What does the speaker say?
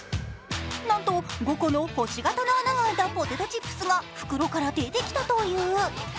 なんと５個の星形の穴が開いたポテトチップスが袋から出てきたという。